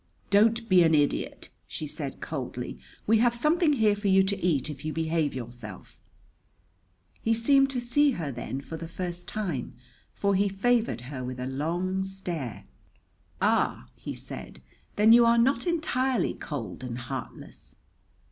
"Don't be an idiot!" she said coldly. "We have something here for you to eat if you behave yourself." He seemed to see her then for the first time, for he favored her with a long stare. "Ah!" he said. "Then you are not entirely cold and heartless?"